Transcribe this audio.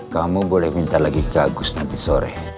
kamu boleh minta lagi ke agus nanti sore